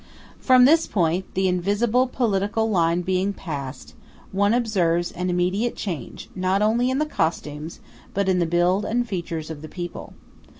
From this point, the invisible political line being passed, one observes an immediate change not only in the costumes, but in the build and features of the people.